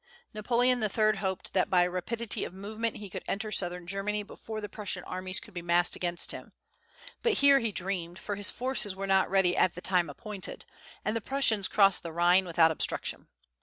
Napoleon III. hoped that by rapidity of movement he could enter southern Germany before the Prussian armies could be massed against him; but here he dreamed, for his forces were not ready at the time appointed, and the Prussians crossed the Rhine without obstruction.